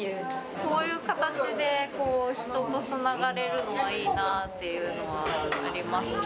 こういう形で、人とつながれるのがいいなっていうのはありますね。